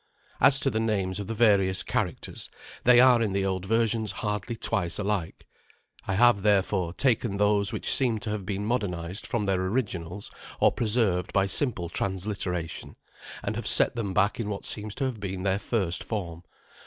As to the names of the various characters, they are in the old versions hardly twice alike. I have, therefore, taken those which seem to have been modernized from their originals, or preserved by simple transliteration, and have set them back in what seems to have been their first form.